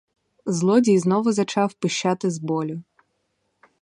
Злодій знову зачав пищати з болю.